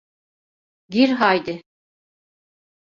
Gir haydi.